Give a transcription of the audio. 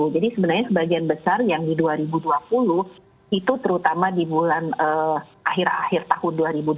jadi sebenarnya sebagian besar yang di dua ribu dua puluh itu terutama di bulan akhir akhir tahun dua ribu dua puluh